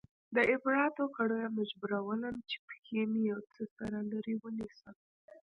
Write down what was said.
د اپراتو کړيو مجبورولم چې پښې مې يو څه سره لرې ونيسم.